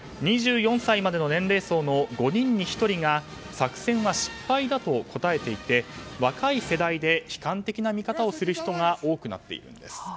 ２４歳までの年齢層の５人に１人が作戦は失敗だと答えていて若い世代で悲観的な見方をする人が多くなっているんです。